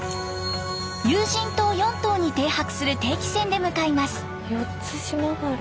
有人島４島に停泊する定期船で向かいます。